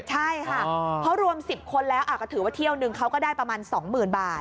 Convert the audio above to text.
ใช่ค่ะเพราะรวม๑๐คนแล้วก็ถือว่าเที่ยวนึงเขาก็ได้ประมาณ๒๐๐๐บาท